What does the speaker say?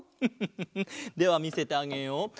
フフフフではみせてあげよう。